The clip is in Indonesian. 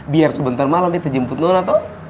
biar sebentar malem beta jemput nona tau